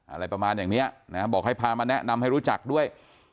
อะไรประมาณอย่างนี้นะบอกให้พามาแนะนำให้รู้จักด้วย